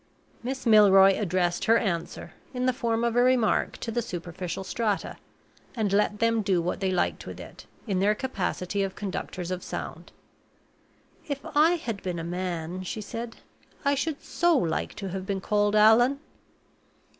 Miss Milroy addressed her answer, in the form of a remark, to the superficial strata and let them do what they liked with it, in their capacity of conductors of sound. "If I had been a man," she said, "I should so like to have been called Allan!"